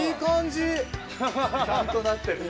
ちゃんとなってる。